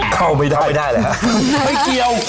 เข้าไม่ได้ไม่เกี่ยว